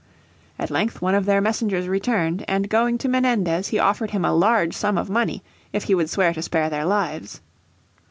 At length one of their messengers returned, and going to Menendez he offered him a large sum of money if he would swear to spare their lives.